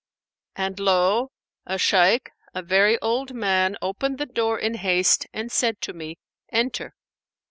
And lo! a Shaykh, a very old man, opened the door in haste and said to me, 'Enter.'